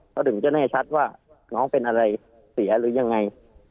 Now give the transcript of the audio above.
เขาถึงจะแน่ชัดว่าน้องเป็นอะไรเสียหรือยังไง